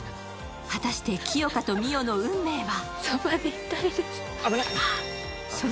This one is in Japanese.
果たして清霞と美世の運命は。